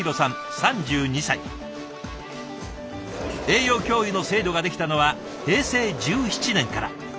栄養教諭の制度ができたのは平成１７年から。